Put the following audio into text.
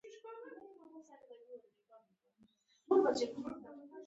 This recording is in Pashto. ځغاسته د زړه قوت لوړوي